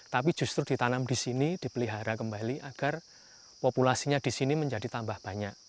tapi justru ditanam di sini dipelihara kembali agar populasinya di sini menjadi tambah banyak